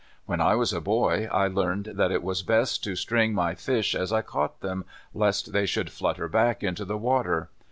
When I was a boy, I learned that it was best to string my fish as I caught them, lest they should flutter back into the water.